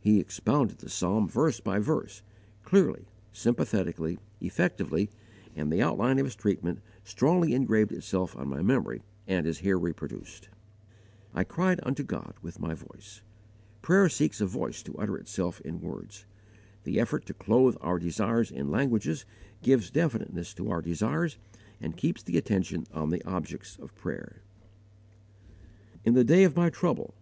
He expounded the psalm verse by verse, clearly, sympathetically, effectively, and the outline of his treatment strongly engraved itself on my memory and is here reproduced. "I cried unto God with my voice." Prayer seeks a voice to utter itself in words: the effort to clothe our desires in language gives definiteness to our desires and keeps the attention on the objects of prayer. "In the day of my trouble."